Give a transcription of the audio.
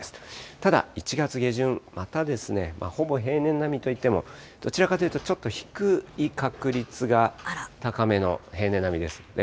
ただ１月下旬、またですね、ほぼ平年並みといっても、どちらかというとちょっと低い確率が高めの平年並みですね。